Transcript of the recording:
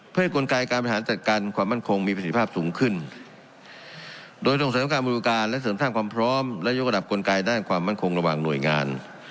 เพื่อให้กลไกการบริหารจัดการความมั่นคงมีประสิทธิภาพสูงขึ้นโดยส่งเสริมการบริการและเสริมสร้างความพร้อมและยกระดับกลไกด้านความมั่นคงระหว่างหน่วยงาน